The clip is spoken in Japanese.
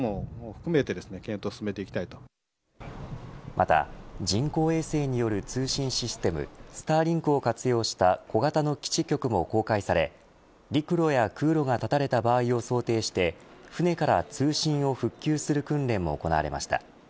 また人工衛星による通信システムＳｔａｒｌｉｎｋを活用した小型の基地局も公開され陸路や空路が断たれた場合を想定して船から通信を復旧する訓練も行われました。